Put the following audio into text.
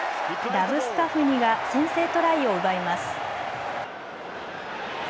ラブスカフニが先制トライを奪います。